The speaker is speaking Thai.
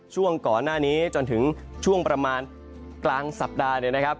ช่วงก่อนหน้านี้จนถึงช่วงประมาณกลางสัปดาห์เนี่ยนะครับ